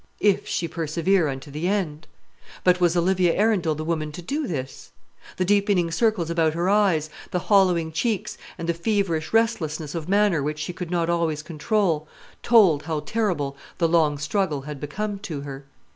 If she persevere unto the end! But was Olivia Arundel the woman to do this? The deepening circles about her eyes, the hollowing cheeks, and the feverish restlessness of manner which she could not always control, told how terrible the long struggle had become to her.